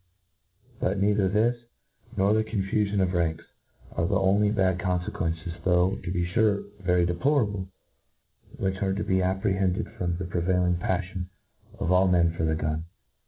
But neither this, nor the con fufion of ranks, are the only bad confequences, though, to be fure, very deplorable^ which are to be apprehended from the prevailing paflion of all men for the gun.